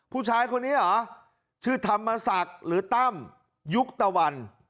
ผู้ชายคนนี้เหรอชื่อธรรมศักดิ์หรือตั้มยุคตะวัน